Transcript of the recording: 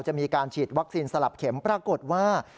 จะมีการฉีดวัคซีนสลับเข็มปรากฏว่า